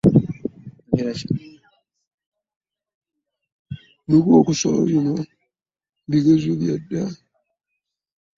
Bwekuba kusoma bino bigezo byadda ,